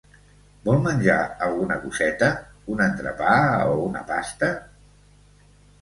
Vol menjar alguna coseta, un entrepà o una pasta?